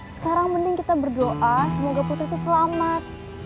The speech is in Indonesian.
sekarang mending kita berdoa semoga putri itu selamat